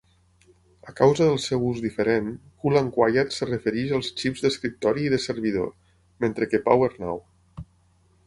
A causa del seu ús diferent, "Cool'n'Quiet" es refereix als xips d'escriptori i de servidor, mentre que "PowerNow!